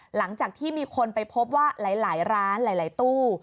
หลังจากที่มีคนไปพบว่าหลายร้านหลายตู้